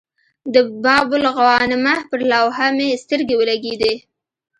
د باب الغوانمه پر لوحه مې سترګې ولګېدې.